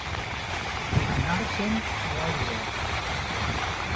Anar-se'n a l'aigua.